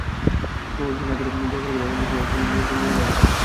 Mobile phone hack করে ব্যবহারকারীর অজান্তেই মোবাইল ফোনের নিয়ন্ত্রণ নিয়ে নেয় হ্যাকার।